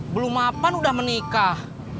belum mapan udah menikah